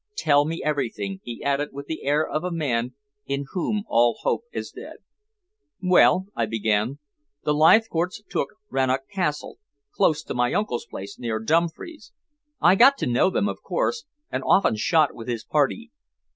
Tell me everything," he added with the air of a man in whom all hope is dead. "Well," I began, "the Leithcourts took Rannoch Castle, close to my uncle's place, near Dumfries. I got to know them, of course, and often shot with his party.